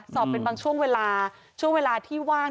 สอบเป็นบางช่วงเวลาช่วงเวลาที่ว่าง